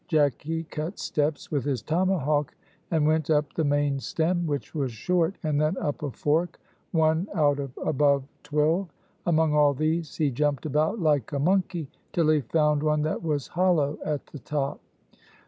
Jacky cut steps with his tomahawk and went up the main stem, which was short, and then up a fork, one out of about twelve; among all these he jumped about like a monkey till he found one that was hollow at the top.